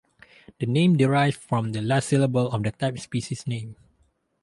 The name derives from the last syllable of the type species name.